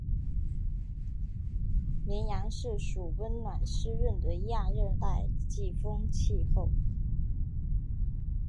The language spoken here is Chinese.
绵阳市属温暖湿润的亚热带季风气候。